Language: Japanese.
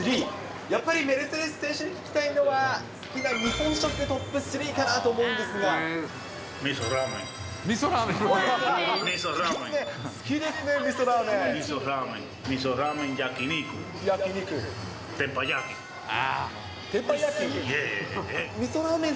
やっぱり、メルセデス選手に聞きたいのは好きな日本食トップ３かなと思うんみそラーメン。